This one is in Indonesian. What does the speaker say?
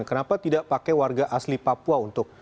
kenapa tidak pakai warga asli papua untuk